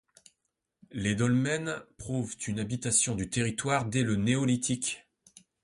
Les dolmens prouvent une habitation du territoire dès le Néolithique.